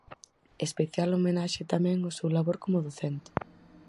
Especial homenaxe tamén ao seu labor como docente.